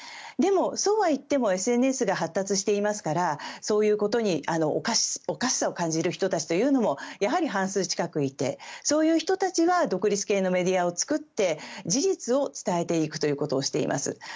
でも、そうはいってもＳＮＳが発達していますからそういうことにおかしさを感じる人たちもやはり半数近くいてそういう人たちが独立系のメディアを作って事実を伝えていくということをしています。